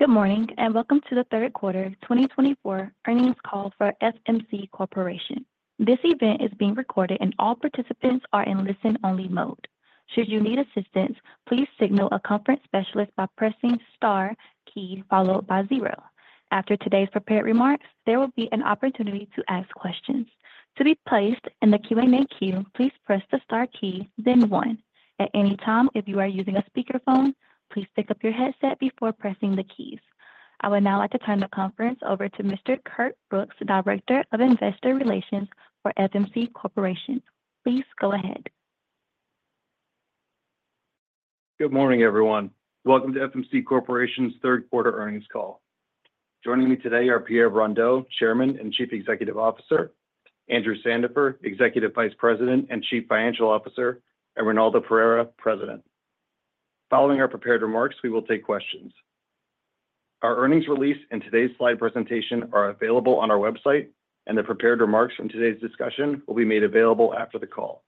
Good morning and welcome to the Third Quarter 2024 Earnings Call for FMC Corporation. This event is being recorded and all participants are in listen-only mode. Should you need assistance, please signal a conference specialist by pressing star key followed by zero. After today's prepared remarks, there will be an opportunity to ask questions. To be placed in the Q&A queue, please press the star key, then one. At any time, if you are using a speakerphone, please pick up your headset before pressing the keys. I would now like to turn the conference over to Mr. Curt Brooks, Director of Investor Relations for FMC Corporation. Please go ahead. Good morning, everyone. Welcome to FMC Corporation's third quarter earnings call. Joining me today are Pierre Brondeau, Chairman and Chief Executive Officer, Andrew Sandifer, Executive Vice President and Chief Financial Officer, and Ronaldo Pereira, President. Following our prepared remarks, we will take questions. Our earnings release and today's slide presentation are available on our website, and the prepared remarks from today's discussion will be made available after the call.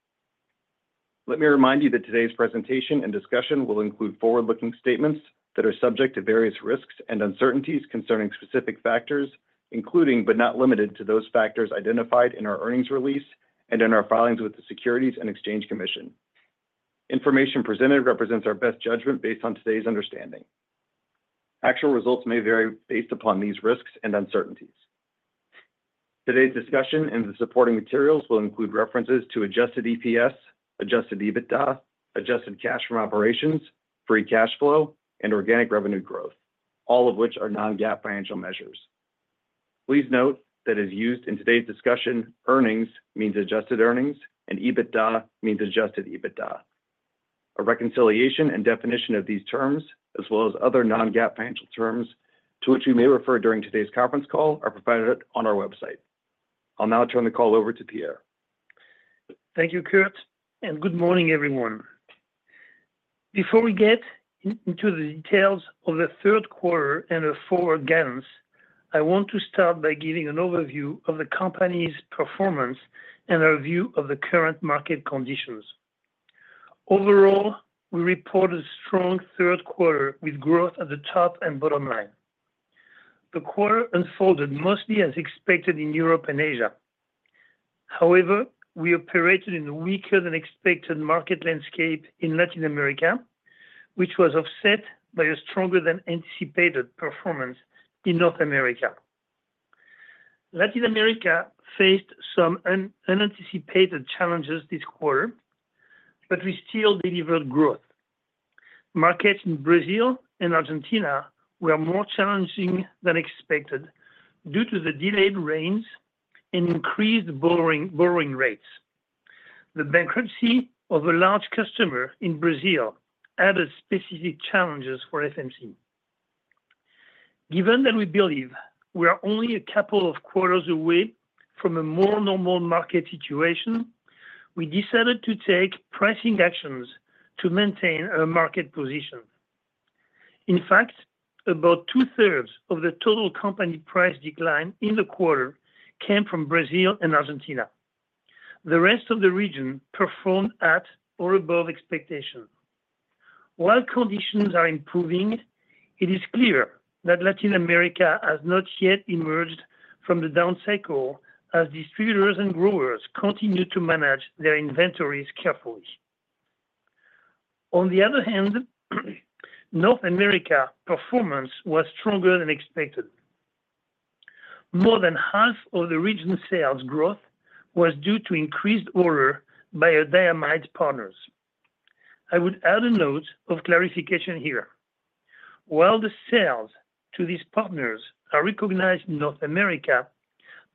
Let me remind you that today's presentation and discussion will include forward-looking statements that are subject to various risks and uncertainties concerning specific factors, including but not limited to those factors identified in our earnings release and in our filings with the Securities and Exchange Commission. Information presented represents our best judgment based on today's understanding. Actual results may vary based upon these risks and uncertainties. Today's discussion and the supporting materials will include references to adjusted EPS, adjusted EBITDA, adjusted cash from operations, free cash flow, and organic revenue growth, all of which are non-GAAP financial measures. Please note that as used in today's discussion, earnings means adjusted earnings and EBITDA means adjusted EBITDA. A reconciliation and definition of these terms, as well as other non-GAAP financial terms to which we may refer during today's conference call, are provided on our website. I'll now turn the call over to Pierre. Thank you, Curt, and good morning, everyone. Before we get into the details of the third quarter and the Q4 guidance, I want to start by giving an overview of the company's performance and our view of the current market conditions. Overall, we reported a strong third quarter with growth at the top and bottom line. The quarter unfolded mostly as expected in Europe and Asia. However, we operated in a weaker-than-expected market landscape in Latin America, which was offset by a stronger-than-anticipated performance in North America. Latin America faced some unanticipated challenges this quarter, but we still delivered growth. Markets in Brazil and Argentina were more challenging than expected due to the delayed rains and increased borrowing rates. The bankruptcy of a large customer in Brazil added specific challenges for FMC. Given that we believe we are only a couple of quarters away from a more normal market situation, we decided to take pressing actions to maintain our market position. In fact, about two-thirds of the total company price decline in the quarter came from Brazil and Argentina. The rest of the region performed at or above expectation. While conditions are improving, it is clear that Latin America has not yet emerged from the down cycle as distributors and growers continue to manage their inventories carefully. On the other hand, North America's performance was stronger than expected. More than half of the region's sales growth was due to increased orders by our diamide partners. I would add a note of clarification here. While the sales to these partners are recognized in North America,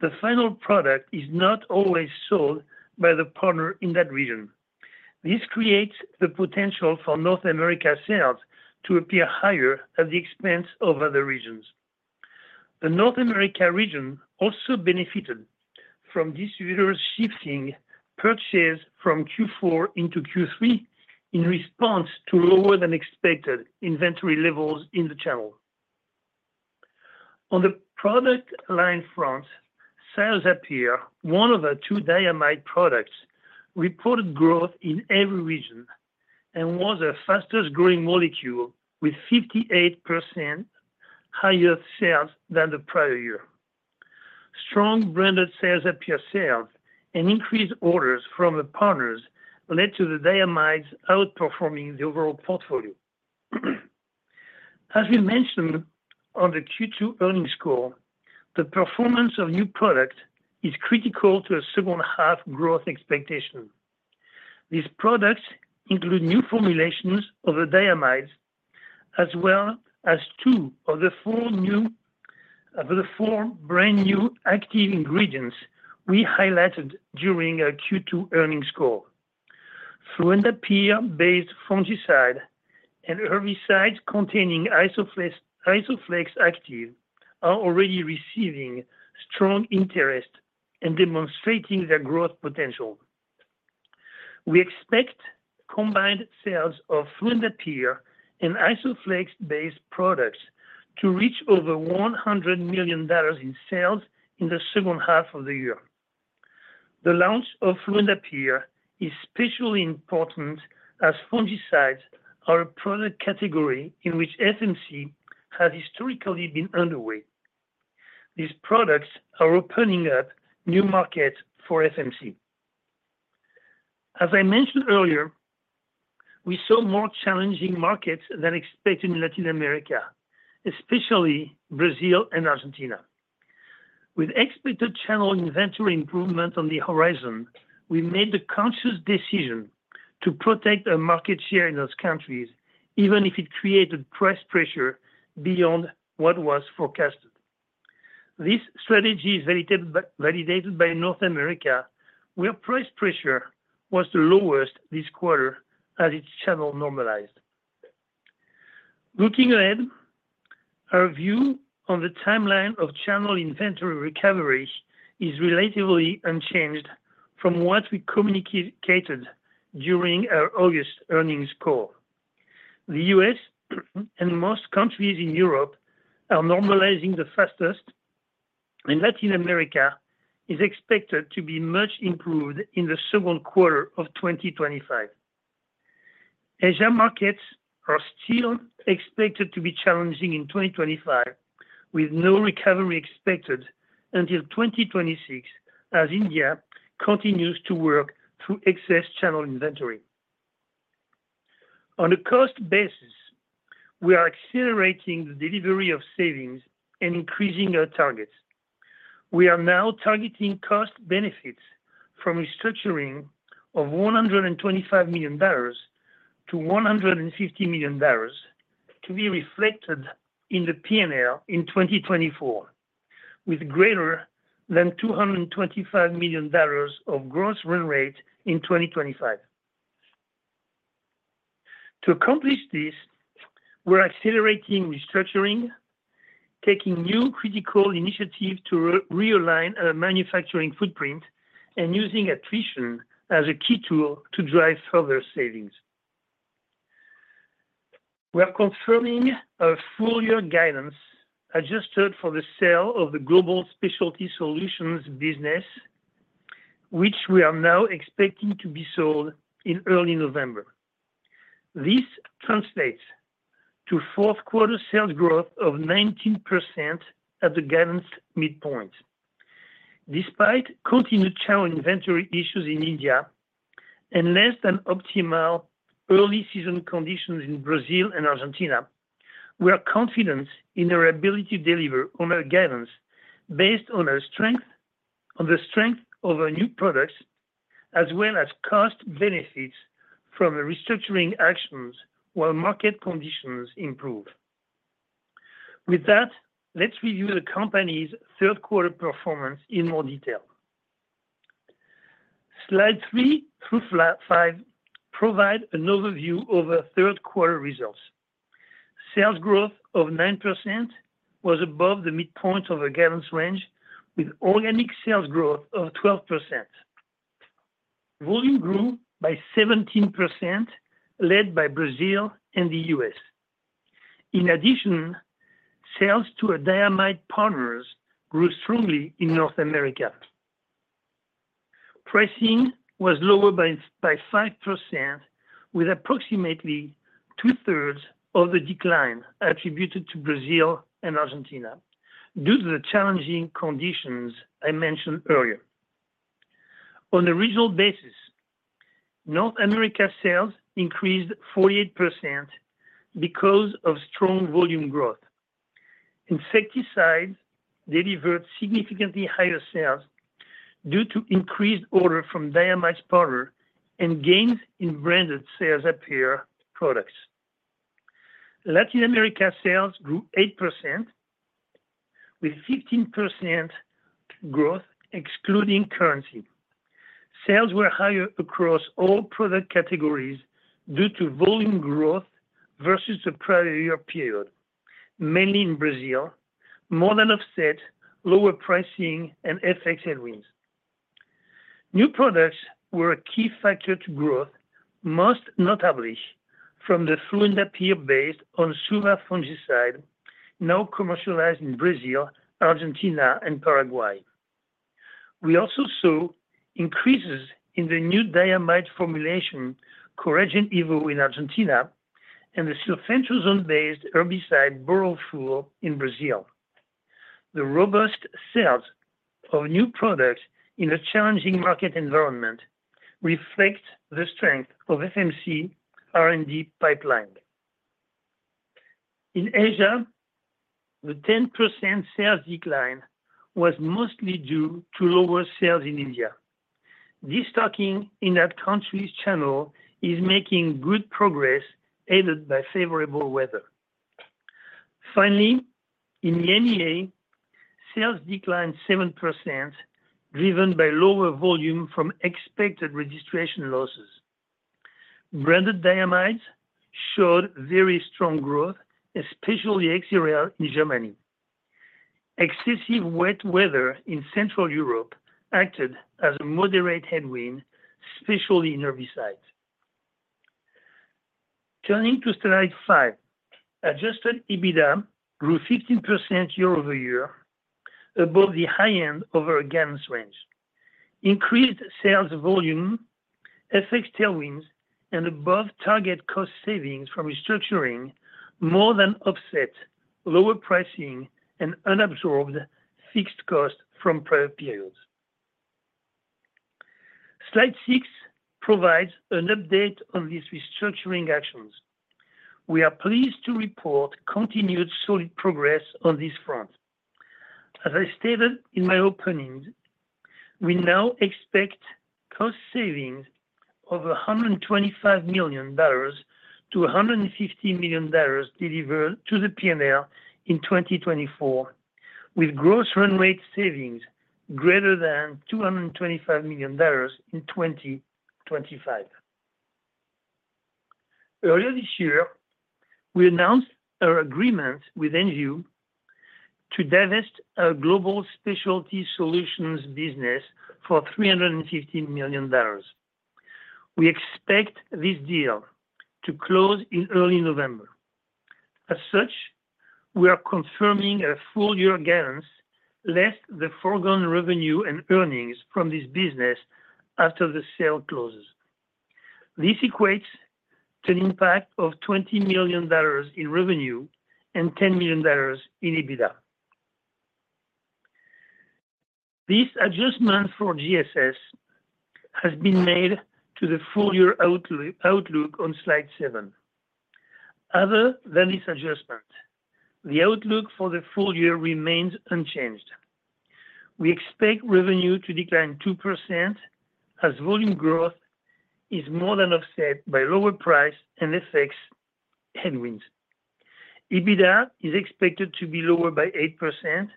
the final product is not always sold by the partner in that region. This creates the potential for North America's sales to appear higher at the expense of other regions. The North America region also benefited from distributors shifting purchase from Q4 into Q3 in response to lower-than-expected inventory levels in the channel. On the product line front, sales of Cyazypyr, one of our two diamide products, reported growth in every region and was our fastest-growing molecule with 58% higher sales than the prior year. Strong branded sales of Cyazypyr and increased orders from the partners led to the diamides outperforming the overall portfolio. As we mentioned on the Q2 earnings call, the performance of new products is critical to a second-half growth expectation. These products include new formulations of the diamides, as well as two of the four brand-new active ingredients we highlighted during our Q2 earnings call. Fluindapyr-based fungicide and herbicides containing Isoflex active are already receiving strong interest and demonstrating their growth potential. We expect combined sales of fluindapyr and Isoflex-based products to reach over $100 million in sales in the second half of the year. The launch of fluindapyr is especially important as fungicides are a product category in which FMC has historically been underweight. These products are opening up new markets for FMC. As I mentioned earlier, we saw more challenging markets than expected in Latin America, especially Brazil and Argentina. With expected channel inventory improvement on the horizon, we made the conscious decision to protect our market share in those countries, even if it created price pressure beyond what was forecasted. This strategy is validated by North America, where price pressure was the lowest this quarter as its channel normalized. Looking ahead, our view on the timeline of channel inventory recovery is relatively unchanged from what we communicated during our August earnings call. The U.S. and most countries in Europe are normalizing the fastest, and Latin America is expected to be much improved in the second quarter of 2025. Asia markets are still expected to be challenging in 2025, with no recovery expected until 2026 as India continues to work through excess channel inventory. On a cost basis, we are accelerating the delivery of savings and increasing our targets. We are now targeting cost benefits from restructuring of $125 million-$150 million to be reflected in the P&L in 2024, with greater than $225 million of gross run rate in 2025. To accomplish this, we're accelerating restructuring, taking new critical initiatives to realign our manufacturing footprint, and using attrition as a key tool to drive further savings. We're confirming a four-year guidance adjusted for the sale of the Global Specialty Solutions business, which we are now expecting to be sold in early November. This translates to fourth-quarter sales growth of 19% at the guidance midpoint. Despite continued channel inventory issues in India and less than optimal early season conditions in Brazil and Argentina, we are confident in our ability to deliver on our guidance based on the strength of our new products, as well as cost benefits from the restructuring actions while market conditions improve. With that, let's review the company's third-quarter performance in more detail. Slide three through five provide an overview of our third-quarter results. Sales growth of 9% was above the midpoint of our guidance range, with organic sales growth of 12%. Volume grew by 17%, led by Brazil and the U.S. In addition, sales to our diamide partners grew strongly in North America. Pricing was lower by 5%, with approximately two-thirds of the decline attributed to Brazil and Argentina due to the challenging conditions I mentioned earlier. On a regional basis, North America's sales increased 48% because of strong volume growth. Insecticides delivered significantly higher sales due to increased orders from diamide partners and gains in branded sales of Cyazypyr products. Latin America sales grew 8%, with 15% growth excluding currency. Sales were higher across all product categories due to volume growth versus the prior year period, mainly in Brazil, more than offset lower pricing and FX headwinds. New products were a key factor to growth, most notably from the fluindapyr-based Onsuva fungicide, now commercialized in Brazil, Argentina, and Paraguay. We also saw increases in the new diamide formulation, Coragen eVo in Argentina, and the sulfentrazone-based herbicide Boral Full in Brazil. The robust sales of new products in a challenging market environment reflect the strength of FMC R&D pipeline. In Asia, the 10% sales decline was mostly due to lower sales in India. Destocking in that country's channel is making good progress aided by favorable weather. Finally, in the EMEA, sales declined 7%, driven by lower volume from expected registration losses. Branded diamides showed very strong growth, especially Exirel in Germany. Excessive wet weather in Central Europe acted as a moderate headwind, especially in herbicides. Turning to slide five, adjusted EBITDA grew 15% year over year, above the high end of our guidance range. Increased sales volume, FX headwinds, and above-target cost savings from restructuring more than offset lower pricing and unabsorbed fixed cost from prior periods. Slide six provides an update on these restructuring actions. We are pleased to report continued solid progress on this front. As I stated in my opening, we now expect cost savings of $125-$150 million delivered to the P&L in 2024, with gross run rate savings greater than $225 million in 2025. Earlier this year, we announced our agreement with Envu to divest our Global Specialty Solutions business for $315 million. We expect this deal to close in early November. As such, we are confirming a four-year guidance less the foregone revenue and earnings from this business after the sale closes. This equates to an impact of $20 million in revenue and $10 million in EBITDA. This adjustment for GSS has been made to the full-year outlook on slide seven. Other than this adjustment, the outlook for the full year remains unchanged. We expect revenue to decline 2% as volume growth is more than offset by lower price and FX headwinds. EBITDA is expected to be lower by 8%.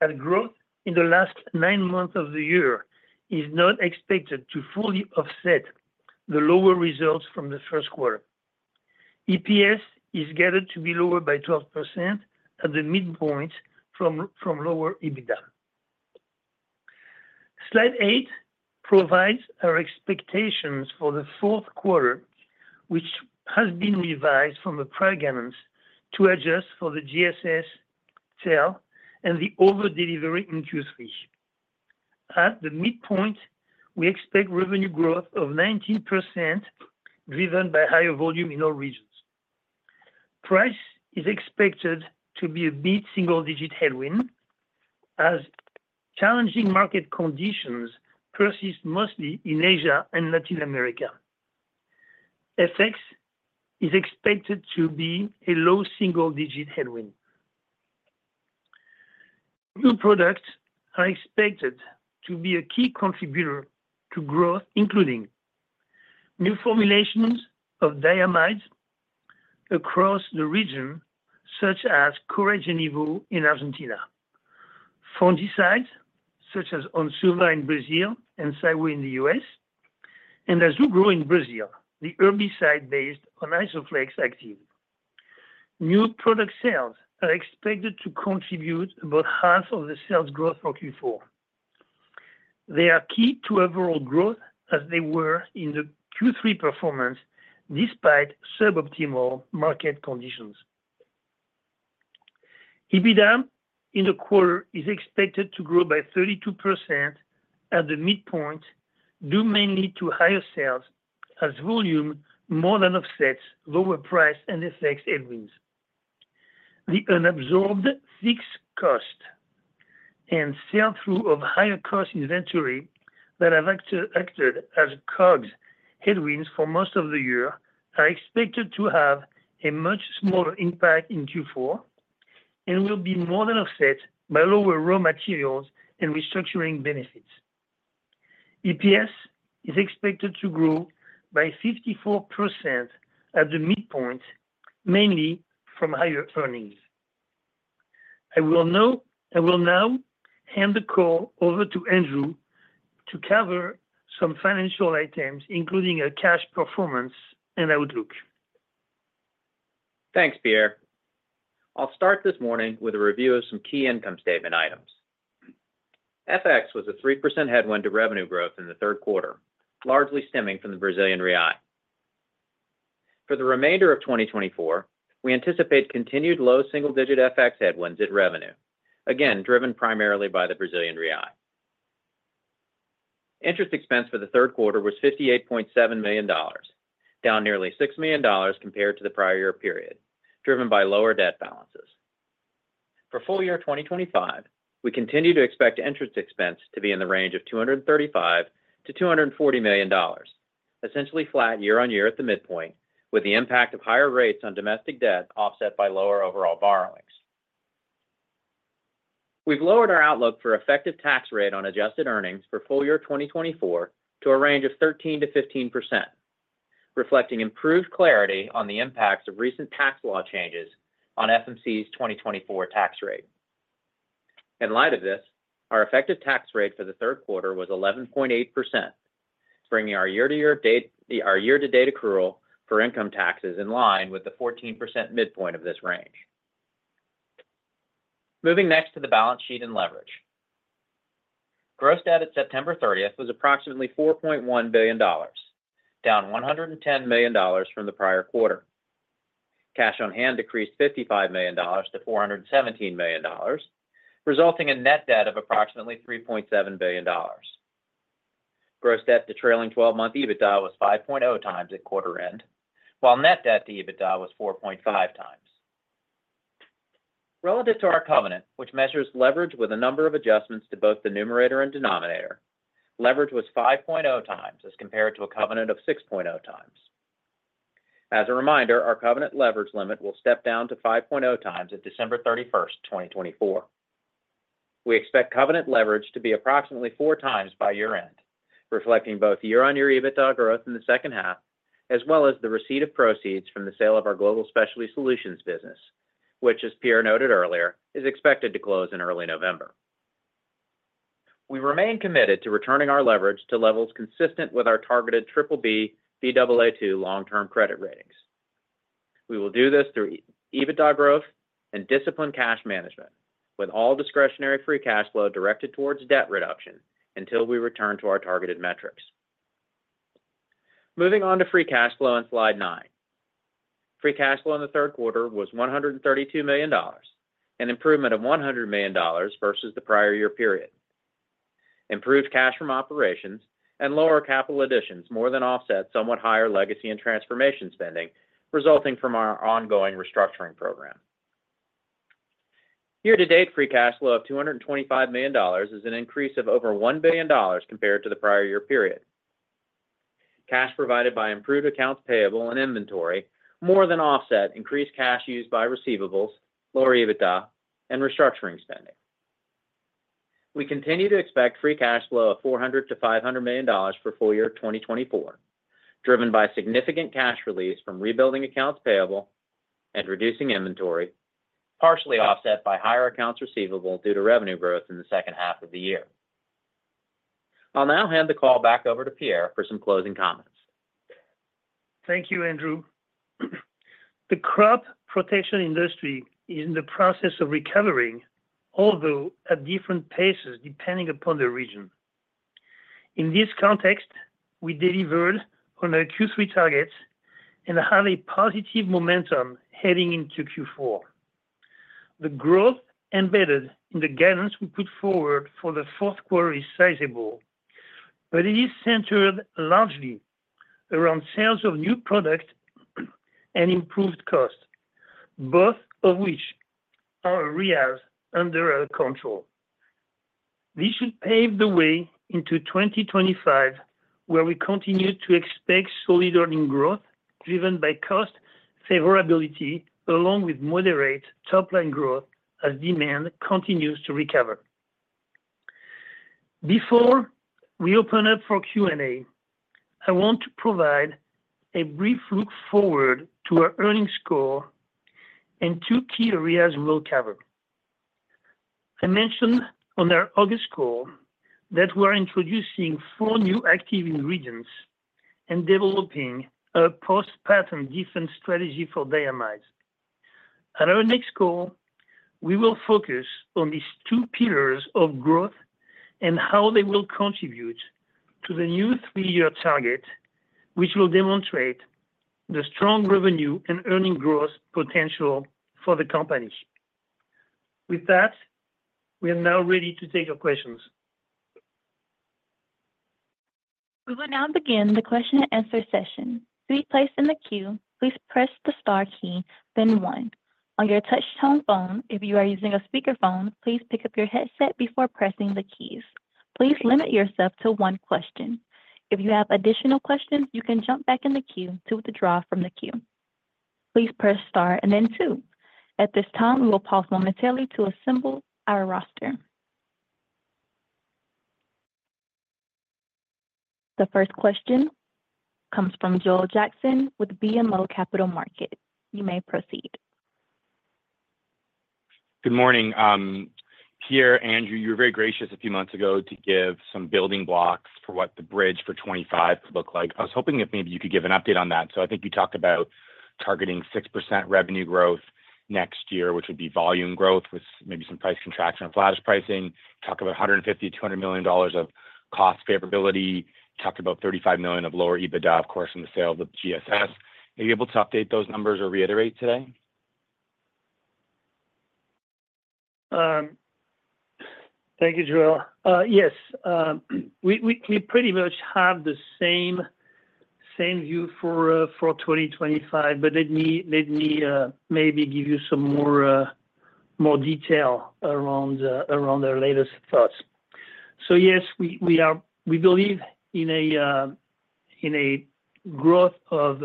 That growth in the last nine months of the year is not expected to fully offset the lower results from the first quarter. EPS is guided to be lower by 12% at the midpoint from lower EBITDA. Slide eight provides our expectations for the fourth quarter, which has been revised from the prior guidance to adjust for the GSS sale and the overdelivery in Q3. At the midpoint, we expect revenue growth of 19% driven by higher volume in all regions. Price is expected to be a mid-single-digit headwind as challenging market conditions persist mostly in Asia and Latin America. FX is expected to be a low single-digit headwind. New products are expected to be a key contributor to growth, including new formulations of diamides across the region, such as Coragen eVo in Argentina, fungicides such as Onsuva in Brazil and Adastrio in the US, and Azugro in Brazil, the herbicide based on Isoflex active. New product sales are expected to contribute about half of the sales growth for Q4. They are key to overall growth as they were in the Q3 performance despite suboptimal market conditions. EBITDA in the quarter is expected to grow by 32% at the midpoint, due mainly to higher sales as volume more than offsets lower price and FX headwinds. The unabsorbed fixed cost and sale through of higher cost inventory that have acted as COGS headwinds for most of the year are expected to have a much smaller impact in Q4 and will be more than offset by lower raw materials and restructuring benefits. EPS is expected to grow by 54% at the midpoint, mainly from higher earnings. I will now hand the call over to Andrew to cover some financial items, including a cash performance and outlook. Thanks, Pierre. I'll start this morning with a review of some key income statement items. FX was a 3% headwind to revenue growth in the third quarter, largely stemming from the BRL. For the remainder of 2024, we anticipate continued low single-digit FX headwinds at revenue, again driven primarily by the BRL. Interest expense for the third quarter was $58.7 million, down nearly $6 million compared to the prior year period, driven by lower debt balances. For full year 2025, we continue to expect interest expense to be in the range of $235-$240 million, essentially flat year on year at the midpoint, with the impact of higher rates on domestic debt offset by lower overall borrowings. We've lowered our outlook for effective tax rate on adjusted earnings for full year 2024 to a range of 13%-15%, reflecting improved clarity on the impacts of recent tax law changes on FMC's 2024 tax rate. In light of this, our effective tax rate for the third quarter was 11.8%, bringing our year-to-date accrual for income taxes in line with the 14% midpoint of this range. Moving next to the balance sheet and leverage. Gross debt at September 30th was approximately $4.1 billion, down $110 million from the prior quarter. Cash on hand decreased $55 million-$417 million, resulting in net debt of approximately $3.7 billion. Gross debt to trailing 12-month EBITDA was 5.0 times at quarter end, while net debt to EBITDA was 4.5 times. Relative to our covenant, which measures leverage with a number of adjustments to both the numerator and denominator, leverage was 5.0 times as compared to a covenant of 6.0 times. As a reminder, our covenant leverage limit will step down to 5.0 times at December 31st, 2024. We expect covenant leverage to be approximately four times by year end, reflecting both year-on-year EBITDA growth in the second half, as well as the receipt of proceeds from the sale of our global specialty solutions business, which, as Pierre noted earlier, is expected to close in early November. We remain committed to returning our leverage to levels consistent with our targeted BBB BAA2 long-term credit ratings. We will do this through EBITDA growth and disciplined cash management, with all discretionary free cash flow directed towards debt reduction until we return to our targeted metrics. Moving on to free cash flow on slide nine. Free cash flow in the third quarter was $132 million, an improvement of $100 million versus the prior year period. Improved cash from operations and lower capital additions more than offset somewhat higher legacy and transformation spending resulting from our ongoing restructuring program. Year-to-date free cash flow of $225 million is an increase of over $1 billion compared to the prior year period. Cash provided by improved accounts payable and inventory more than offset increased cash used by receivables, lower EBITDA, and restructuring spending. We continue to expect free cash flow of $400-$500 million for full year 2024, driven by significant cash release from rebuilding accounts payable and reducing inventory, partially offset by higher accounts receivable due to revenue growth in the second half of the year. I'll now hand the call back over to Pierre for some closing comments. Thank you, Andrew. The crop protection industry is in the process of recovering, although at different paces depending upon the region. In this context, we delivered on our Q3 targets and have a positive momentum heading into Q4. The growth embedded in the guidance we put forward for the fourth quarter is sizable, but it is centered largely around sales of new product and improved cost, both of which are areas under our control. This should pave the way into 2025, where we continue to expect solid earnings growth driven by cost favorability along with moderate top-line growth as demand continues to recover. Before we open up for Q&A, I want to provide a brief look forward to our earnings call and two key areas we'll cover. I mentioned on our August call that we are introducing four new active ingredients and developing a post-patent defense strategy for diamides. At our next call, we will focus on these two pillars of growth and how they will contribute to the new three-year target, which will demonstrate the strong revenue and earnings growth potential for the company. With that, we are now ready to take your questions. We will now begin the question and answer session. To be placed in the queue, please press the star key, then one. On your touch-tone phone, if you are using a speakerphone, please pick up your headset before pressing the keys. Please limit yourself to one question. If you have additional questions, you can jump back in the queue to withdraw from the queue. Please press star and then two. At this time, we will pause momentarily to assemble our roster. The first question comes from Joel Jackson with BMO Capital Markets. You may proceed. Good morning. Pierre, Andrew, you were very gracious a few months ago to give some building blocks for what the bridge for 2025 could look like. I was hoping that maybe you could give an update on that. So I think you talked about targeting 6% revenue growth next year, which would be volume growth with maybe some price contraction or flattish pricing. You talked about $150-$200 million of cost favorability. You talked about $35 million of lower EBITDA, of course, from the sale of the GSS. Are you able to update those numbers or reiterate today? Thank you, Joel. Yes. We pretty much have the same view for 2025, but let me maybe give you some more detail around our latest thoughts. So yes, we believe in a growth of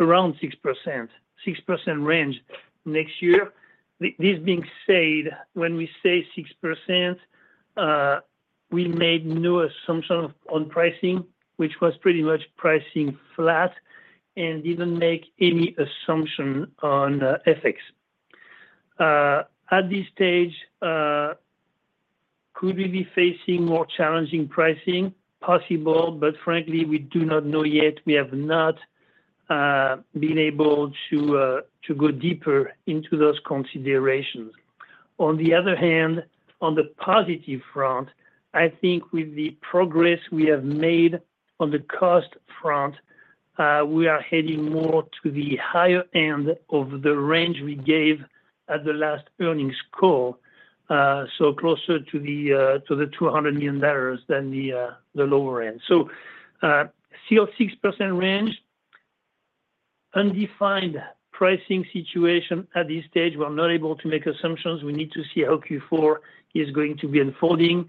around 6%, 6% range next year. This being said, when we say 6%, we made no assumption on pricing, which was pretty much pricing flat and didn't make any assumption on FX. At this stage, could we be facing more challenging pricing? Possible, but frankly, we do not know yet. We have not been able to go deeper into those considerations. On the other hand, on the positive front, I think with the progress we have made on the cost front, we are heading more to the higher end of the range we gave at the last earnings call, so closer to the $200 million than the lower end. So still 6% range, undefined pricing situation at this stage. We're not able to make assumptions. We need to see how Q4 is going to be unfolding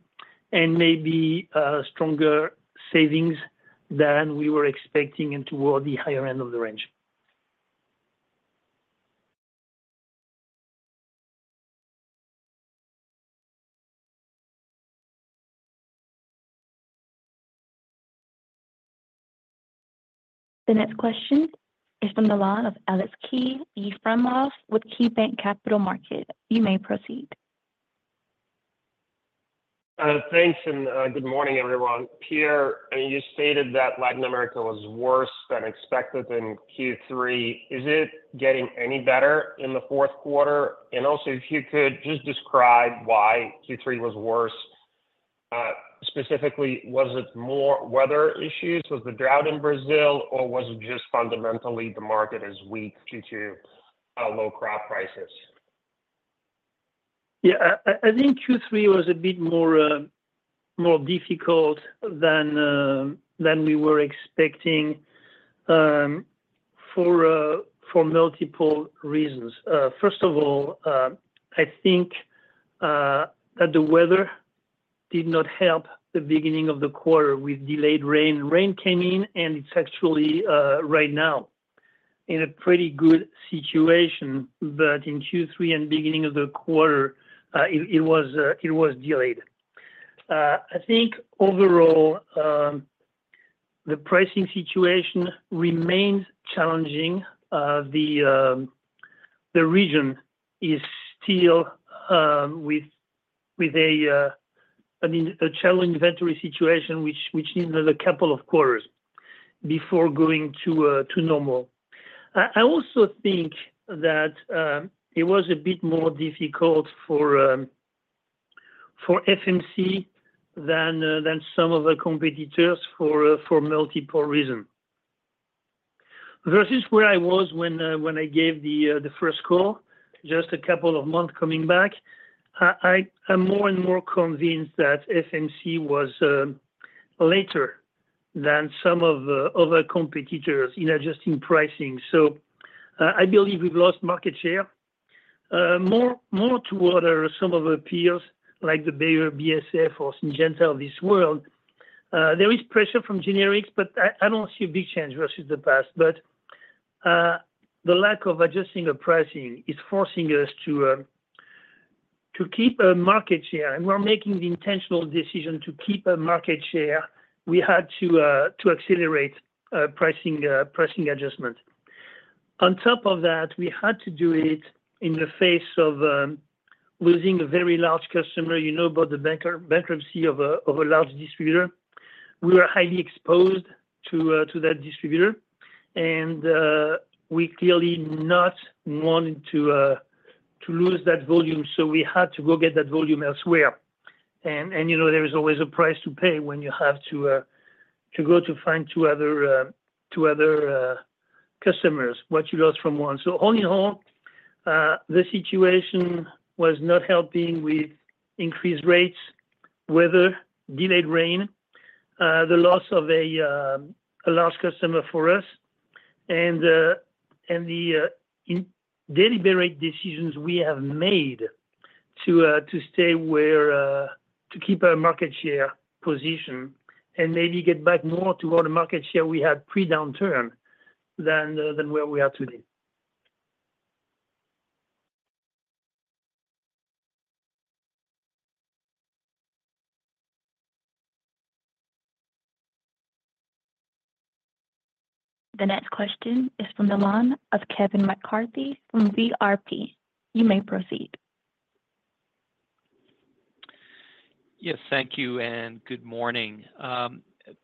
and maybe stronger savings than we were expecting and toward the higher end of the range. The next question is from the line of Aleksey Yefremov with KeyBanc Capital Markets. You may proceed. Thanks and good morning, everyone. Pierre, I mean, you stated that Latin America was worse than expected in Q3. Is it getting any better in the fourth quarter? And also, if you could just describe why Q3 was worse. Specifically, was it more weather issues? Was the drought in Brazil, or was it just fundamentally the market is weak due to low crop prices? Yeah, I think Q3 was a bit more difficult than we were expecting for multiple reasons. First of all, I think that the weather did not help the beginning of the quarter with delayed rain. Rain came in, and it's actually right now in a pretty good situation, but in Q3 and beginning of the quarter, it was delayed. I think overall, the pricing situation remains challenging. The region is still with a challenging inventory situation, which needs another couple of quarters before going to normal. I also think that it was a bit more difficult for FMC than some of the competitors for multiple reasons. Versus where I was when I gave the first call just a couple of months coming back, I'm more and more convinced that FMC was later than some of the other competitors in adjusting pricing, so I believe we've lost market share more toward some of the peers like the Bayer, BASF or Syngenta of this world. There is pressure from generics, but I don't see a big change versus the past, but the lack of adjusting the pricing is forcing us to keep a market share, and we're making the intentional decision to keep a market share. We had to accelerate pricing adjustment. On top of that, we had to do it in the face of losing a very large customer. You know about the bankruptcy of a large distributor. We were highly exposed to that distributor, and we clearly not wanted to lose that volume. So we had to go get that volume elsewhere. And there is always a price to pay when you have to go to find two other customers, what you lost from one. So all in all, the situation was not helping with increased rates, weather, delayed rain, the loss of a large customer for us, and the deliberate decisions we have made to stay where to keep our market share position and maybe get back more toward the market share we had pre-downturn than where we are today. The next question is from the line of Kevin McCarthy from VRP. You may proceed. Yes, thank you and good morning.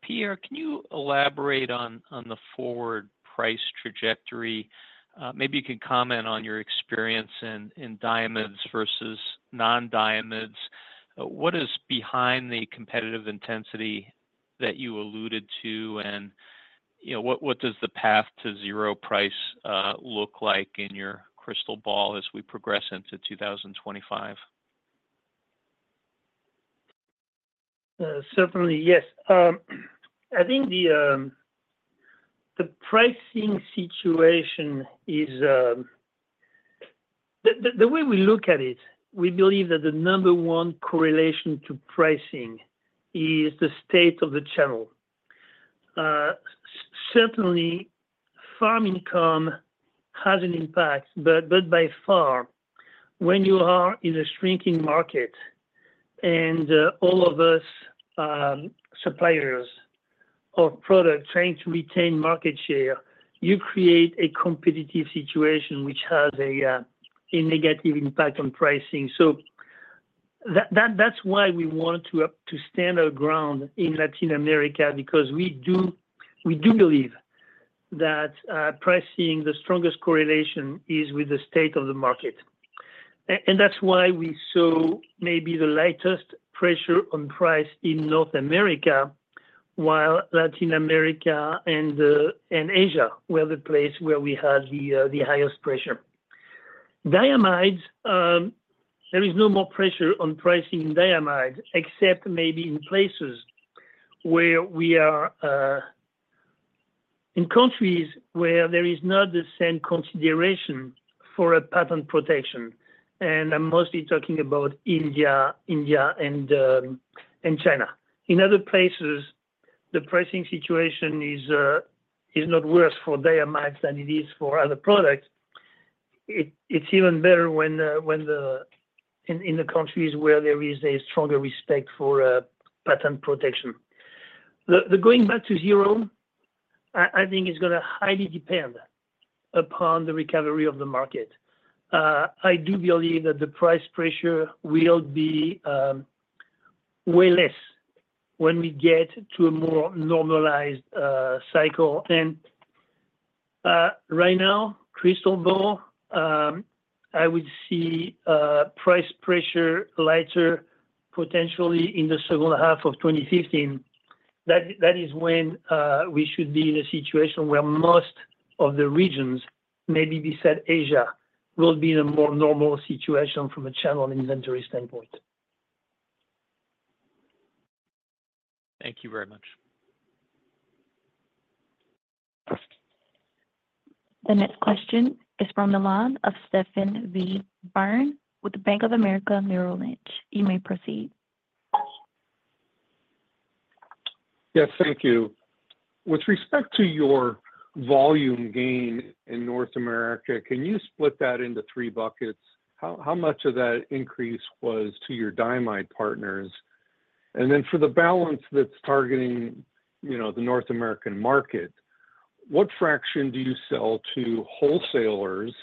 Pierre, can you elaborate on the forward price trajectory? Maybe you can comment on your experience in diamides versus non-diamides. What is behind the competitive intensity that you alluded to? What does the path to zero price look like in your crystal ball as we progress into 2025? Certainly, yes. I think the pricing situation is the way we look at it, we believe that the number one correlation to pricing is the state of the channel. Certainly, farm income has an impact, but by far, when you are in a shrinking market and all of us suppliers of product trying to retain market share, you create a competitive situation which has a negative impact on pricing. So that's why we want to stand our ground in Latin America because we do believe that pricing, the strongest correlation is with the state of the market. And that's why we saw maybe the lightest pressure on price in North America while Latin America and Asia were the place where we had the highest pressure. Diamides, there is no more pressure on pricing in diamides except maybe in places where we are in countries where there is not the same consideration for a patent protection. And I'm mostly talking about India and China. In other places, the pricing situation is not worse for diamides than it is for other products. It's even better in the countries where there is a stronger respect for patent protection. Going back to zero, I think it's going to highly depend upon the recovery of the market. I do believe that the price pressure will be way less when we get to a more normalized cycle. And right now, crystal ball, I would see price pressure lighter potentially in the second half of 2015. That is when we should be in a situation where most of the regions, maybe besides Asia, will be in a more normal situation from a channel inventory standpoint. Thank you very much. The next question is from the line of Steve Byrne with Bank of America Securities. You may proceed. Yes, thank you. With respect to your volume gain in North America, can you split that into three buckets? How much of that increase was to your diamide partners? And then for the balance that's targeting the North American market, what fraction do you sell to wholesalers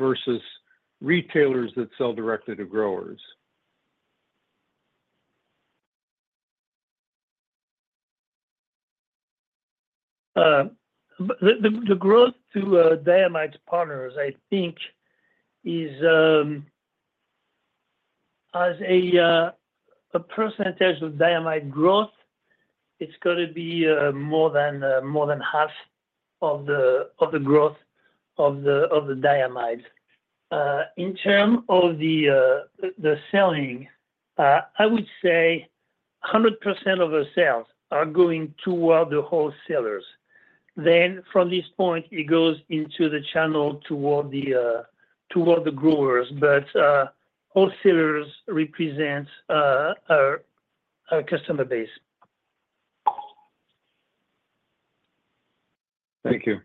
versus retailers that sell directly to growers? The growth to diamide partners, I think, is as a percentage of diamide growth, it's going to be more than half of the growth of the diamides. In terms of the selling, I would say 100% of our sales are going toward the wholesalers. Then from this point, it goes into the channel toward the growers, but wholesalers represent our customer base. Thank you.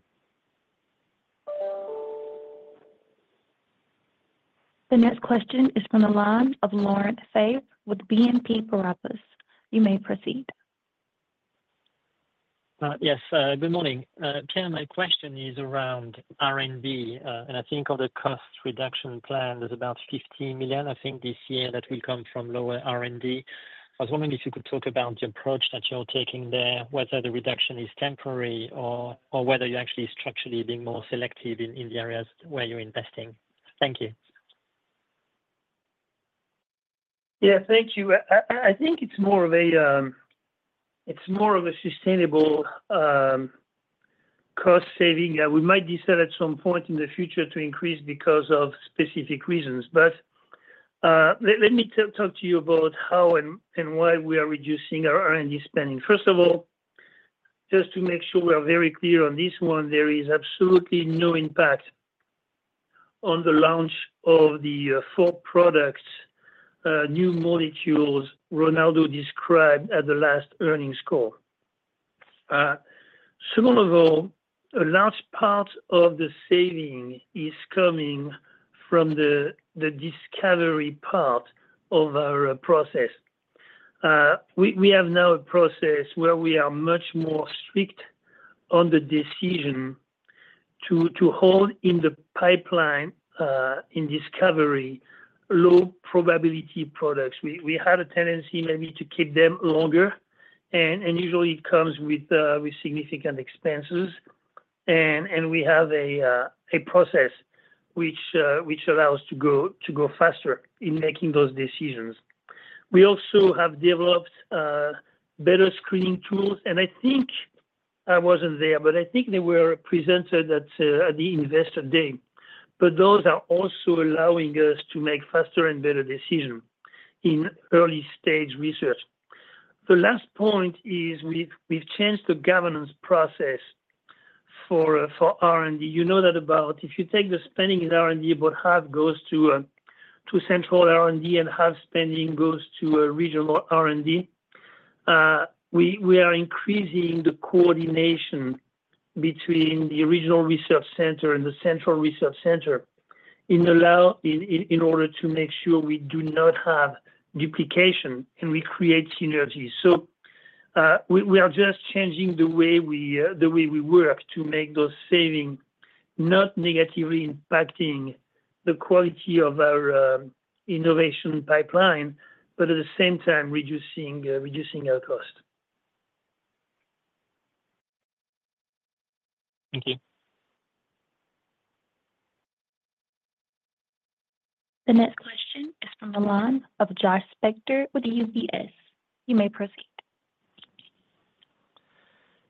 The next question is from the line of Laurent Favre with BNP Paribas. You may proceed. Yes, good morning. Pierre, my question is around R&D. And I think of the cost reduction plan, there's about $15 million, I think, this year that will come from lower R&D. I was wondering if you could talk about the approach that you're taking there, whether the reduction is temporary or whether you're actually structurally being more selective in the areas where you're investing. Thank you. Yeah, thank you. I think it's more of a sustainable cost saving. We might decide at some point in the future to increase because of specific reasons. But let me talk to you about how and why we are reducing our R&D spending. First of all, just to make sure we are very clear on this one, there is absolutely no impact on the launch of the four products, new molecules Ronaldo described at the last earnings call. First of all, a large part of the saving is coming from the discovery part of our process. We have now a process where we are much more strict on the decision to hold in the pipeline in discovery low probability products. We had a tendency maybe to keep them longer, and usually it comes with significant expenses. And we have a process which allows us to go faster in making those decisions. We also have developed better screening tools. And I think I wasn't there, but I think they were presented at the investor day. But those are also allowing us to make faster and better decisions in early stage research. The last point is we've changed the governance process for R&D. You know that about if you take the spending in R&D, about half goes to central R&D and half spending goes to regional R&D. We are increasing the coordination between the regional research center and the central research center in order to make sure we do not have duplication and we create synergies. So we are just changing the way we work to make those savings, not negatively impacting the quality of our innovation pipeline, but at the same time reducing our cost. Thank you. The next question is from the line of Josh Spector with UBS. You may proceed.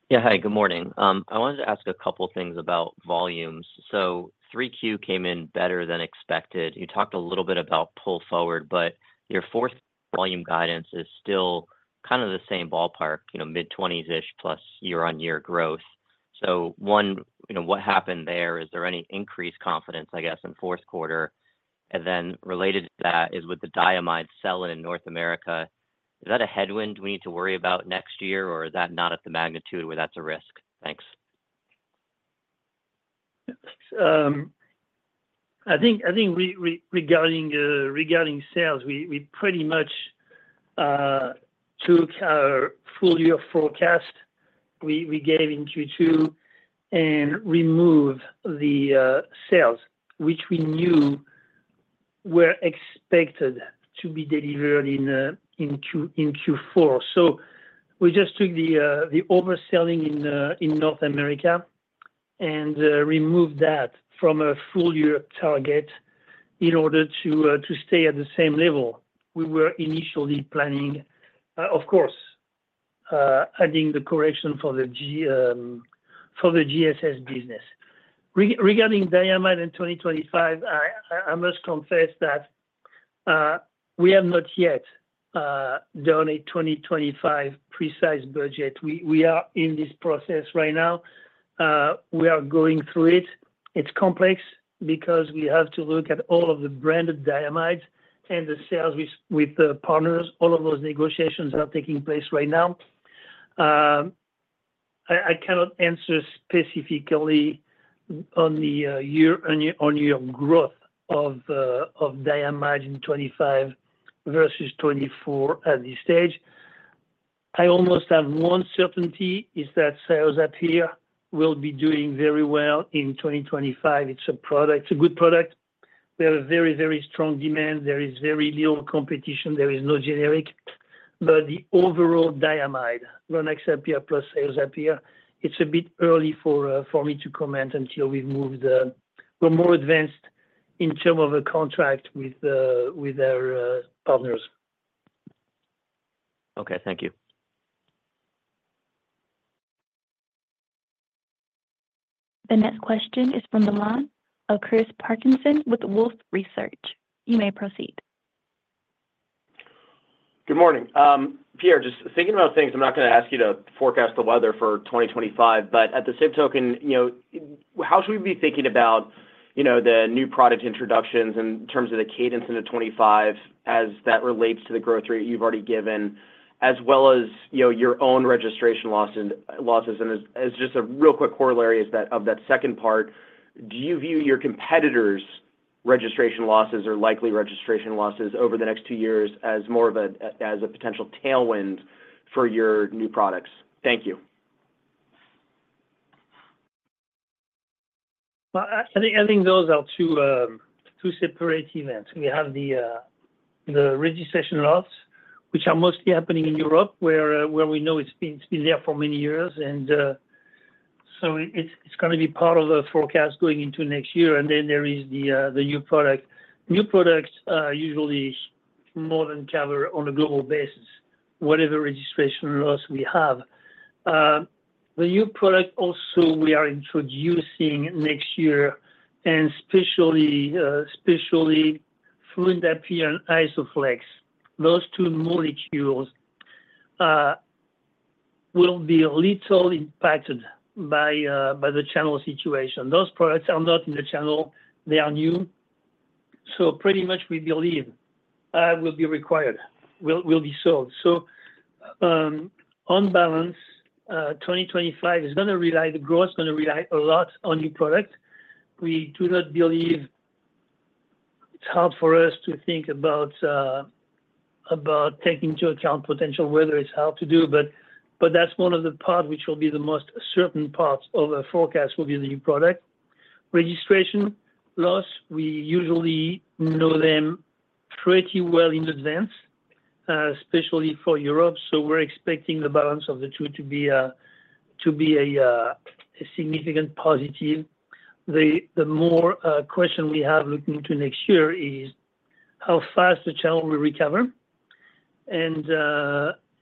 Yeah, hi, good morning. I wanted to ask a couple of things about volumes. So 3Q came in better than expected. You talked a little bit about pull forward, but your fourth volume guidance is still kind of the same ballpark, mid-20s-ish plus year-on-year growth. So one, what happened there? Is there any increased confidence, I guess, in fourth quarter? And then related to that is with the diamides selling in North America. Is that a headwind we need to worry about next year, or is that not at the magnitude where that's a risk? Thanks. I think regarding sales, we pretty much took our full year forecast we gave in Q2 and removed the sales, which we knew were expected to be delivered in Q4. So we just took the overselling in North America and removed that from a full year target in order to stay at the same level we were initially planning, of course, adding the correction for the GSS business. Regarding diamide in 2025, I must confess that we have not yet done a 2025 precise budget. We are in this process right now. We are going through it. It's complex because we have to look at all of the branded diamides and the sales with partners. All of those negotiations are taking place right now. I cannot answer specifically on the year-on-year growth of diamides in 2025 versus 2024 at this stage. I almost have one certainty is that Cyazypyr will be doing very well in 2025. It's a good product. We have a very, very strong demand. There is very little competition. There is no generic. But the overall diamide, Rynaxypyr plus Cyazypyr, it's a bit early for me to comment until we've moved. We're more advanced in terms of a contract with our partners. Okay, thank you. The next question is from the line of Chris Parkinson with Wolfe Research. You may proceed. Good morning. Pierre, just thinking about things, I'm not going to ask you to forecast the weather for 2025, but at the same token, how should we be thinking about the new product introductions in terms of the cadence into 2025 as that relates to the growth rate you've already given, as well as your own registration losses? And as just a real quick corollary of that second part, do you view your competitors' registration losses or likely registration losses over the next two years as more of a potential tailwind for your new products? Thank you. Well, I think those are two separate events. We have the registration loss, which are mostly happening in Europe, where we know it's been there for many years. And so it's going to be part of the forecast going into next year. And then there is the new product. New products usually more than cover on a global basis, whatever registration loss we have. The new product also we are introducing next year, and especially fluindapyr and Isoflex. Those two molecules will be a little impacted by the channel situation. Those products are not in the channel. They are new. So pretty much we believe will be required, will be sold. So on balance, 2025 is going to rely the growth is going to rely a lot on new products. We do not believe it's hard for us to think about taking into account potential weather. It's hard to do, but that's one of the parts which will be the most certain parts of a forecast will be the new product. Registration losses, we usually know them pretty well in advance, especially for Europe. So we're expecting the balance of the two to be a significant positive. The major question we have looking into next year is how fast the channel will recover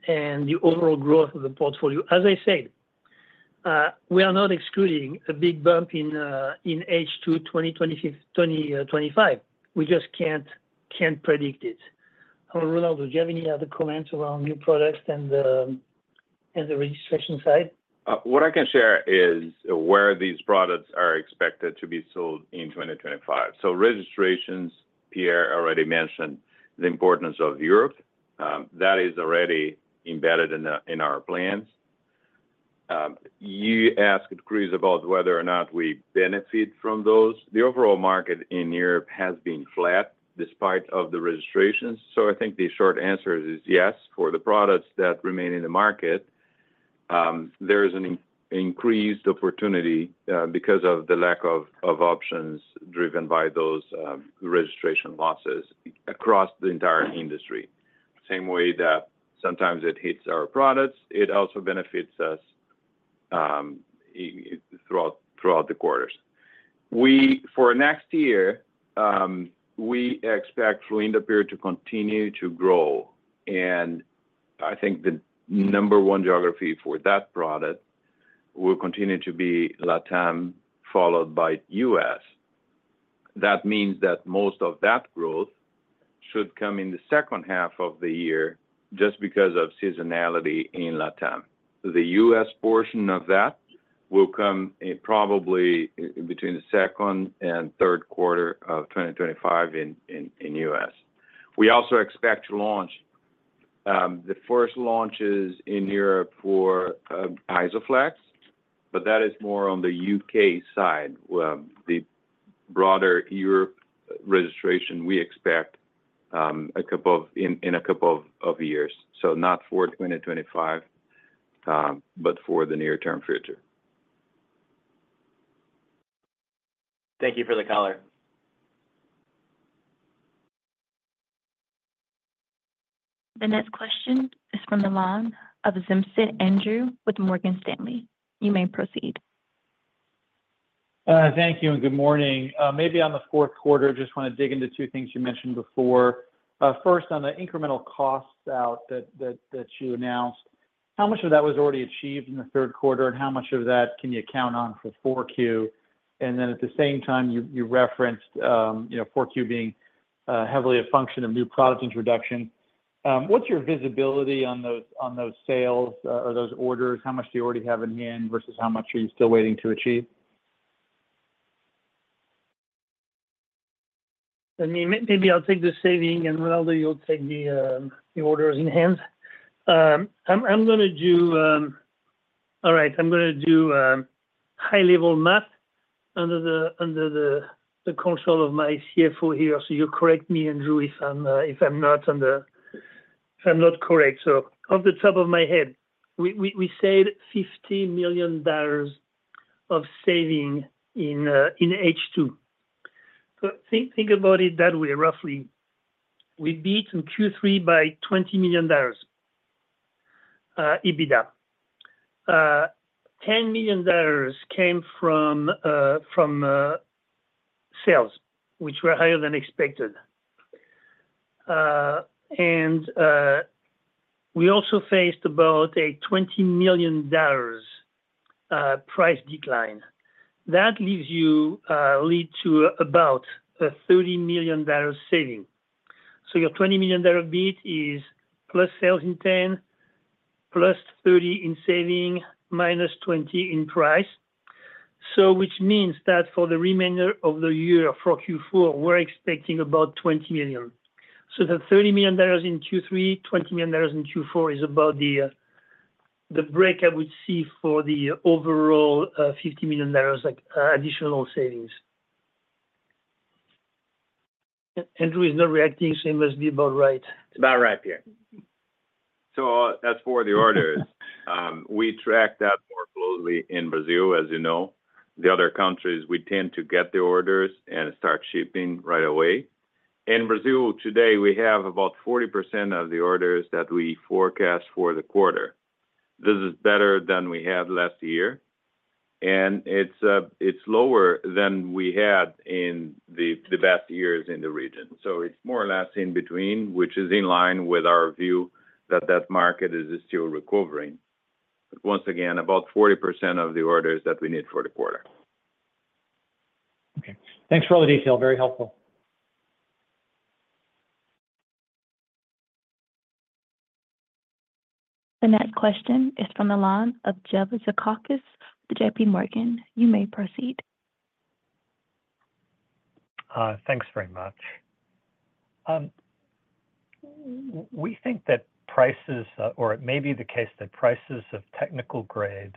and the overall growth of the portfolio. As I said, we are not excluding a big bump in H2 2025. We just can't predict it. Ronaldo, do you have any other comments around new products and the registration side? What I can share is where these products are expected to be sold in 2025. So registrations, Pierre already mentioned the importance of Europe. That is already embedded in our plans. You asked Chris about whether or not we benefit from those. The overall market in Europe has been flat despite the registrations. So I think the short answer is yes for the products that remain in the market. There is an increased opportunity because of the lack of options driven by those registration losses across the entire industry. Same way that sometimes it hits our products, it also benefits us throughout the quarters. For next year, we expect fluindapyr to continue to grow. And I think the number one geography for that product will continue to be Latam, followed by US. That means that most of that growth should come in the second half of the year just because of seasonality in Latam. The US portion of that will come probably between the second and third quarter of 2025 in US. We also expect to launch the first launches in Europe for Isoflex, but that is more on the UK side. The broader Europe registration, we expect in a couple of years. So not for 2025, but for the near-term future. Thank you for the color. The next question is from the line of Vincent Andrews with Morgan Stanley. You may proceed. Thank you and good morning. Maybe on the fourth quarter, I just want to dig into two things you mentioned before. First, on the incremental costs out that you announced, how much of that was already achieved in the third quarter and how much of that can you count on for 4Q? And then at the same time, you referenced 4Q being heavily a function of new product introduction. What's your visibility on those sales or those orders? How much do you already have in hand versus how much are you still waiting to achieve? I mean, maybe I'll take the savings and Ronaldo, you'll take the orders in hand. I'm going to do, all right, I'm going to do high-level math under the control of my CFO here. You correct me, Andrew, if I'm not correct. Off the top of my head, we said $15 million of savings in H2. Think about it that way, roughly. We beat in Q3 by $20 million EBITDA. $10 million came from sales, which were higher than expected. And we also faced about a $20 million price decline. That leads to about a $30 million savings. Your $20 million beat is plus sales in 10, plus 30 in savings, minus 20 in price. Which means that for the remainder of the year for Q4, we're expecting about $20 million. The $30 million in Q3, $20 million in Q4 is about the break I would see for the overall $50 million additional savings. Andrew is not reacting, so he must be about right. It's about right, Pierre. So as for the orders, we track that more closely in Brazil, as you know. The other countries, we tend to get the orders and start shipping right away. In Brazil today, we have about 40% of the orders that we forecast for the quarter. This is better than we had last year. And it's lower than we had in the best years in the region. So it's more or less in between, which is in line with our view that that market is still recovering. Once again, about 40% of the orders that we need for the quarter. Okay. Thanks for all the detail. Very helpful. The next question is from the line of Jeff Zekauskas with JPMorgan. You may proceed. Thanks very much. We think that prices, or it may be the case that prices of technical grade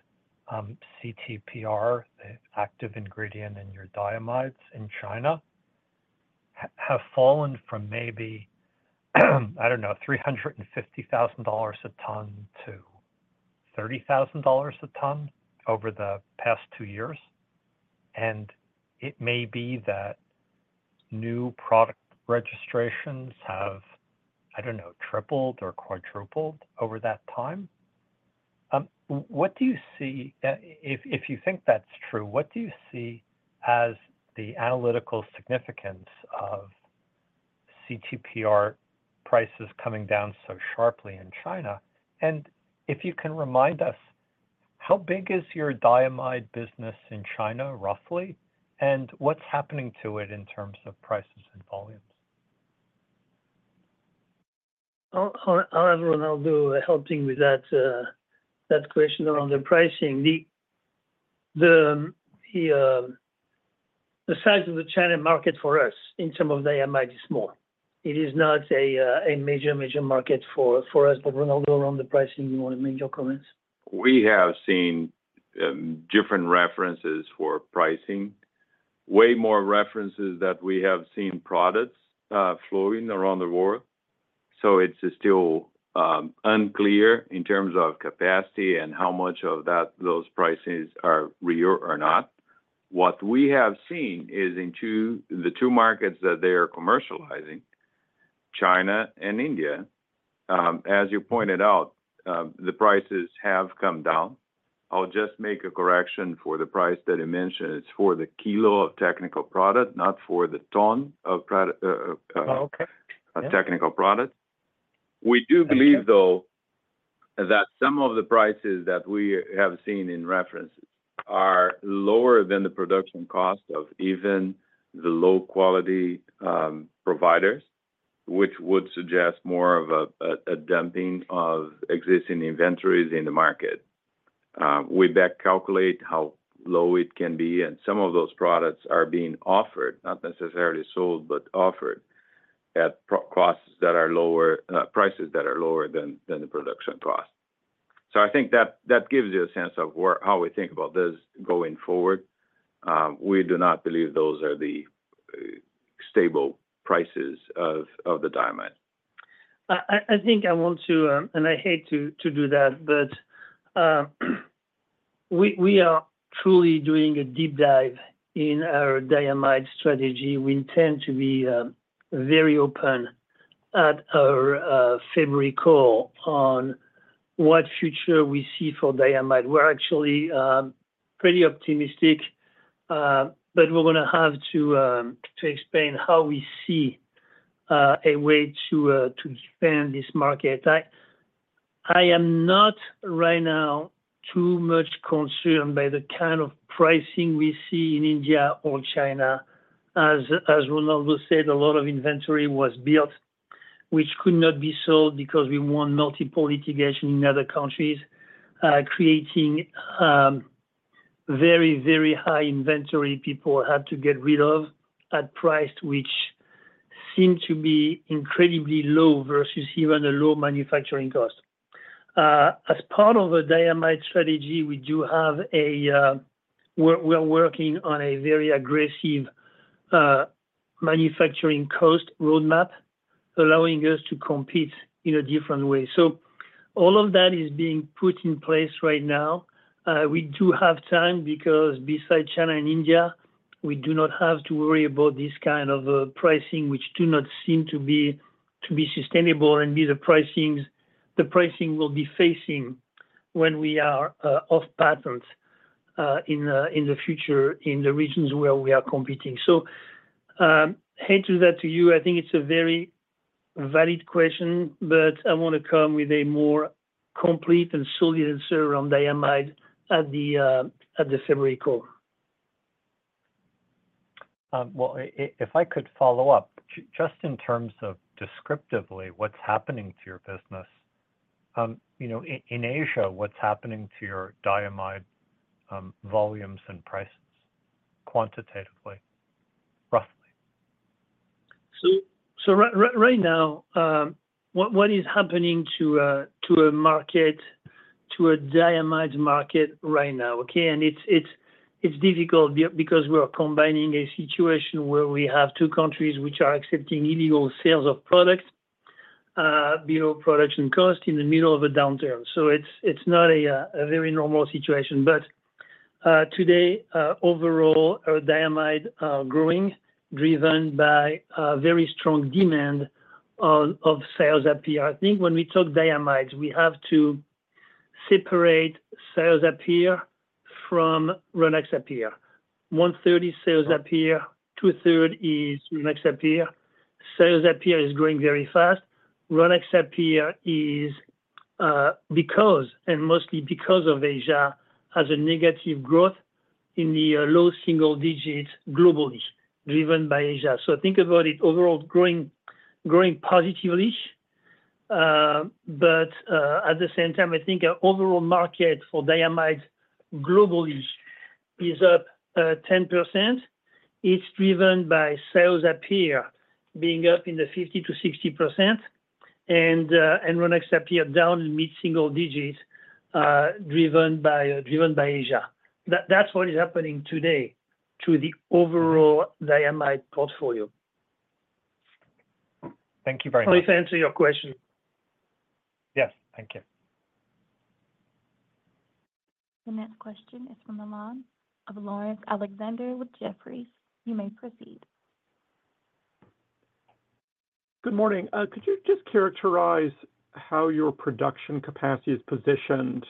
CTPR, the active ingredient in your diamides in China, have fallen from maybe, I don't know, $350,000 a ton to $30,000 a ton over the past two years, and it may be that new product registrations have, I don't know, tripled or quadrupled over that time. What do you see? If you think that's true, what do you see as the analytical significance of CTPR prices coming down so sharply in China, and if you can remind us, how big is your diamide business in China, roughly, and what's happening to it in terms of prices and volumes? I'll have Ronaldo helping with that question around the pricing. The size of the China market for us in terms of diamide is small. It is not a major, major market for us. But Ronaldo, around the pricing, you want to make your comments? We have seen different references for pricing, way more references that we have seen products flowing around the world. So it's still unclear in terms of capacity and how much of those prices are real or not. What we have seen is in the two markets that they are commercializing, China and India, as you pointed out, the prices have come down. I'll just make a correction for the price that he mentioned. It's for the kilo of technical product, not for the ton of technical products. We do believe, though, that some of the prices that we have seen in references are lower than the production cost of even the low-quality providers, which would suggest more of a dumping of existing inventories in the market. We back calculate how low it can be. Some of those products are being offered, not necessarily sold, but offered at prices that are lower than the production cost. I think that gives you a sense of how we think about this going forward. We do not believe those are the stable prices of the diamides. I think I want to, and I hate to do that, but we are truly doing a deep dive in our diamides strategy. We intend to be very open at our February call on what future we see for diamides. We're actually pretty optimistic, but we're going to have to explain how we see a way to expand this market. I am not right now too much concerned by the kind of pricing we see in India or China. As Ronaldo said, a lot of inventory was built, which could not be sold because we won multiple litigation in other countries, creating very, very high inventory people had to get rid of at price, which seemed to be incredibly low versus even a low manufacturing cost. As part of a diamide strategy, we're working on a very aggressive manufacturing cost roadmap, allowing us to compete in a different way. So all of that is being put in place right now. We do have time because besides China and India, we do not have to worry about this kind of pricing, which do not seem to be sustainable and be the pricing we'll be facing when we are off patent in the future in the regions where we are competing. So I hate to do that to you. I think it's a very valid question, but I want to come with a more complete and solid answer around diamides at the February call. If I could follow up, just in terms of descriptively, what's happening to your business in Asia, what's happening to your diamides volumes and prices quantitatively, roughly? So right now, what is happening to a market, to a diamides market right now? Okay. And it's difficult because we're combining a situation where we have two countries which are accepting illegal sales of products, illegal production costs in the middle of a downturn. So it's not a very normal situation. But today, overall, diamides are growing driven by very strong demand of Cyazypyr. I think when we talk diamides, we have to separate Cyazypyr from Rynaxypyr. One-third is Cyazypyr, two-thirds is Rynaxypyr. Cyazypyr is growing very fast. Rynaxypyr is because, and mostly because of Asia, has a negative growth in the low single digits globally driven by Asia. So think about it overall growing positively. But at the same time, I think our overall market for diamides globally is up 10%. It's driven by Cyazypyr being up in the 50% to 60%, and Rynaxypyr down mid-single digits driven by Asia. That's what is happening today to the overall diamide portfolio. Thank you very much. Hope I answered your question. Yes. Thank you. The next question is from the line of Laurence Alexander with Jefferies. You may proceed. Good morning. Could you just characterize how your production capacity is positioned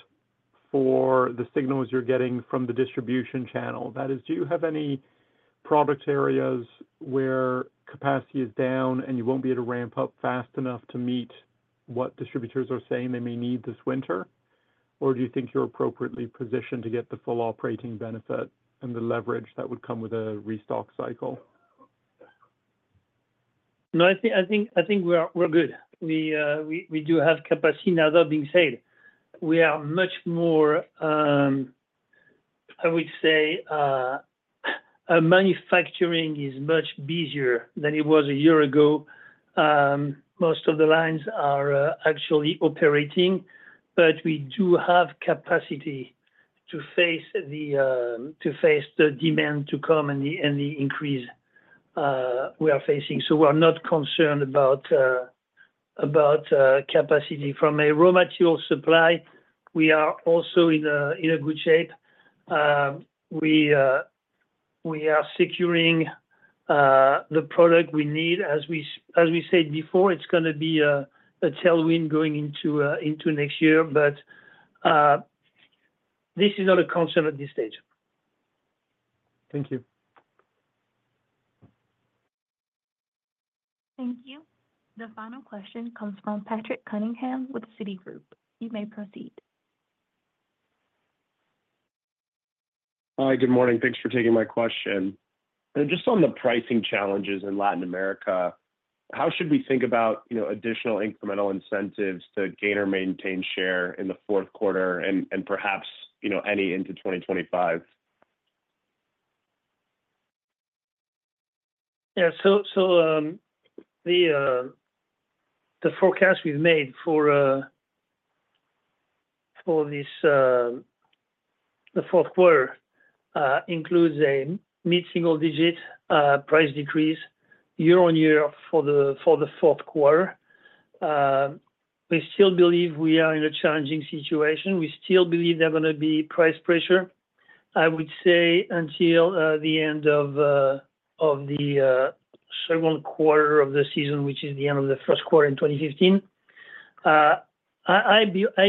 for the signals you're getting from the distribution channel? That is, do you have any product areas where capacity is down and you won't be able to ramp up fast enough to meet what distributors are saying they may need this winter? Or do you think you're appropriately positioned to get the full operating benefit and the leverage that would come with a restock cycle? No, I think we're good. We do have capacity now, that being said. We are much more, I would say, manufacturing is much busier than it was a year ago. Most of the lines are actually operating, but we do have capacity to face the demand to come and the increase we are facing. So we're not concerned about capacity. From a raw material supply, we are also in a good shape. We are securing the product we need. As we said before, it's going to be a tailwind going into next year, but this is not a concern at this stage. Thank you. Thank you. The final question comes from Patrick Cunningham with Citigroup. You may proceed. Hi, good morning. Thanks for taking my question. And just on the pricing challenges in Latin America, how should we think about additional incremental incentives to gain or maintain share in the fourth quarter and perhaps any into 2025? Yeah. So the forecast we've made for the fourth quarter includes a mid-single digit price decrease year on year for the fourth quarter. We still believe we are in a challenging situation. We still believe there's going to be price pressure, I would say, until the end of the second quarter of the season, which is the end of the first quarter in 2025. I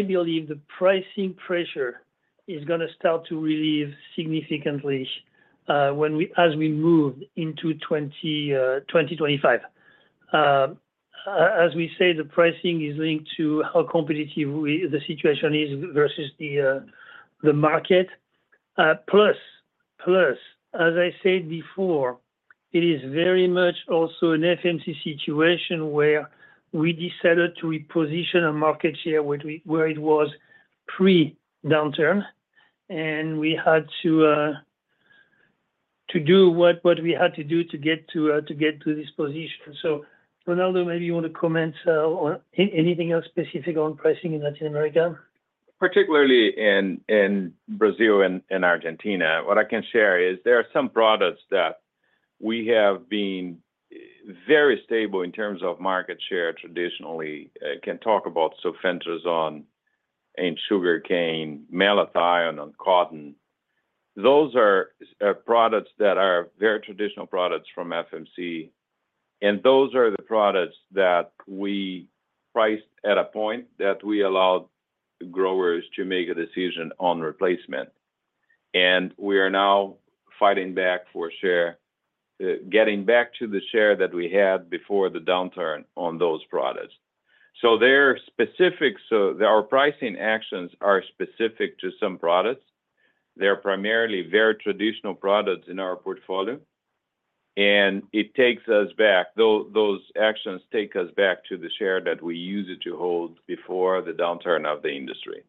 believe the pricing pressure is going to start to relieve significantly as we move into 2025. As we say, the pricing is linked to how competitive the situation is versus the market. Plus, as I said before, it is very much also an FMC situation where we decided to reposition our market share where it was pre-downturn, and we had to do what we had to do to get to this position. So Ronaldo, maybe you want to comment on anything else specific on pricing in Latin America? Particularly in Brazil and Argentina, what I can share is there are some products that we have been very stable in terms of market share traditionally. I can talk about sulfentrazone and sugarcane, malathion on cotton. Those are products that are very traditional products from FMC. Those are the products that we priced at a point that we allowed growers to make a decision on replacement. We are now fighting back for share, getting back to the share that we had before the downturn on those products. Our pricing actions are specific to some products. They're primarily very traditional products in our portfolio. It takes us back. Those actions take us back to the share that we used to hold before the downturn of the industry.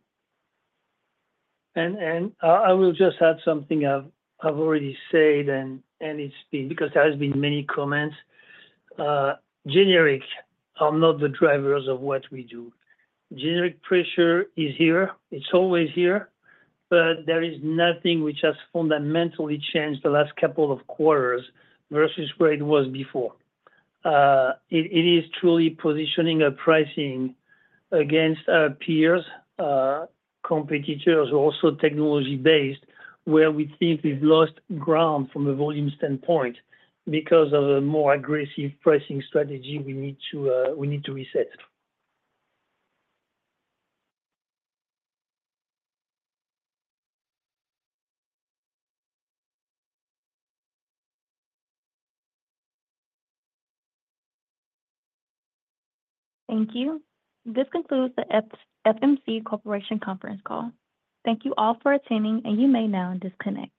I will just add something I've already said, and it's been because there have been many comments. Generics are not the drivers of what we do. Generic pressure is here. It's always here. But there is nothing which has fundamentally changed the last couple of quarters versus where it was before. It is truly positioning our pricing against our peers, competitors who are also technology-based, where we think we've lost ground from a volume standpoint because of a more aggressive pricing strategy we need to reset. Thank you. This concludes the FMC Corporation Conference call. Thank you all for attending, and you may now disconnect.